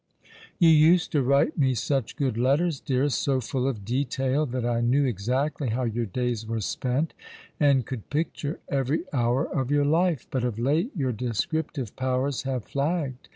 " You used to write me such good letters, dearest, so full of detail, that I knew exactly how your days were spent, and could picture every hour of your life : but of late your descriptive powers have flagged.